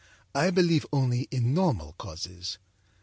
I believe only in normal causes.